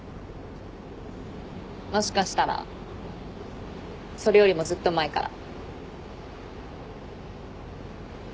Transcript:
もしかしたらそれよりもずっと前から。